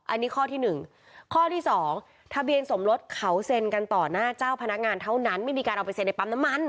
อันนี้ข้อที่หนึ่งข้อที่สองทะเบียนสมรสเขาเซ็นกันต่อหน้าเจ้าพนักงานเท่านั้นไม่มีการเอาไปเซ็นในปั๊มน้ำมัน